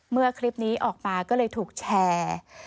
เมื่อคลิปนี้ออกมาก็เลยถูกแชร์